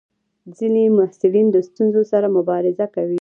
ځینې محصلین د ستونزو سره مبارزه کوي.